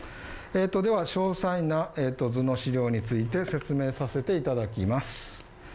では詳細な図の資料について説明させていただきます。